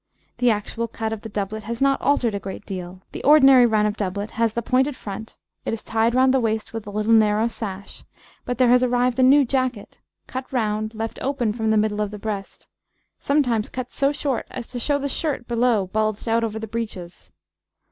The actual cut of the doublet has not altered a great deal, the ordinary run of doublet has the pointed front, it is tied round the waist with a little narrow sash; but there has arrived a new jacket, cut round, left open from the middle of the breast, sometimes cut so short as to show the shirt below bulged out over the breeches.